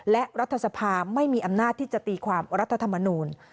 และรัฐสภาไม่มีอำนาจที่จะตีความรัฐธรรมนูล